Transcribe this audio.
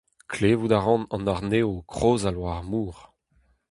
Klevout 'ran an arnev o krozal war ar mor.